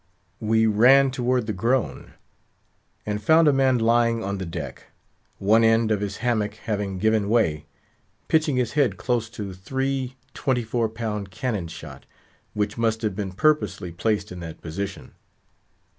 We ran toward the groan, and found a man lying on the deck; one end of his hammock having given way, pitching his head close to three twenty four pound cannon shot, which must have been purposely placed in that position.